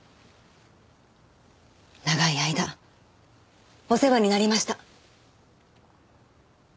長い間お世話になりました。